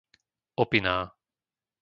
Opiná